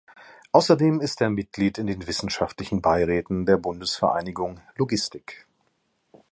Außerdem ist er Mitglied in den wissenschaftlichen Beiräten der Bundesvereinigung Logistik.